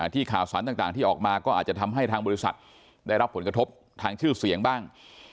ข่าวสารต่างที่ออกมาก็อาจจะทำให้ทางบริษัทได้รับผลกระทบทางชื่อเสียงบ้าง